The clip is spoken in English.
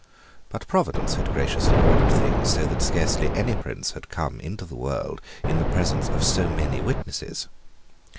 But Providence had graciously ordered things so that scarcely any prince had ever come into the world in the presence of so many witnesses.